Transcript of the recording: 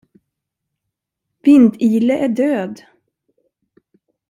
Vind-Ile är död!